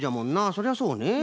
そりゃそうねえ。